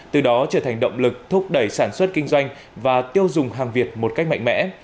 từ đó trở thành động lực thúc đẩy sản xuất kinh doanh và tiêu dùng hàng việt một cách mạnh mẽ